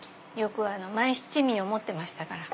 マイ七味を持ってましたから。